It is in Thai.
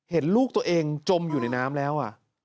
เห็นลูกตัวเองจมอยู่ในน้ำแล้ว